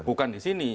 bukan di sini